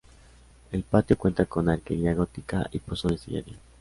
El patio cuenta con arquería gótica y pozo de sillería.